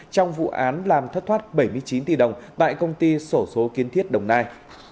trong vụ án làm thất thoát bảy mươi chín tỷ đồng tại công ty sổ số kiến thiết đồng nai